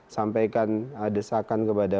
sampaikan desakan kepada